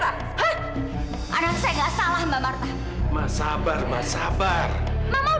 manifestasi kekuatan dan ket divisions yang terhadap neighbor your honor